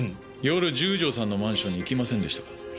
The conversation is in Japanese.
夜十条さんのマンションに行きませんでしたか？